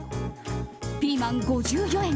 ピーマン、５４円